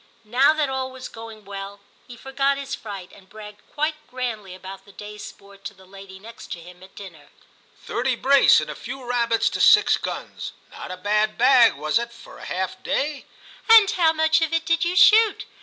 Now that all was going well, he forgot his fright, and bragged quite grandly about the day's sport to the lady next him at dinner. * Thirty brace and a few rabbits to six guns ; not a bad bag, was it, for a half day?' 28 TIM CHAP. 'And how much of it did you shoot?'